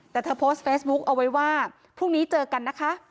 แต่เธอโพสต์เฟซบุ๊คเอาไว้ว่าพรุ่งนี้เจอกันนะคะ